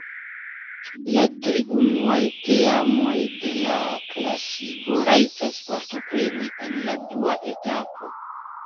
La tri unuaj teamoj de la klasigo rajtas partopreni en la dua etapo.